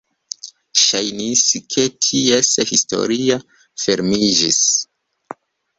Ŝajnis, ke ties historio fermiĝis.